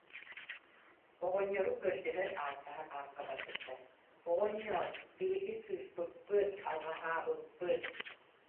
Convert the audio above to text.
Оҕонньору көрдөһөр, ааттаһар аакка барбыттар: «Оҕонньоор, биһиги сыыспыппыт, алҕаһаабыппыт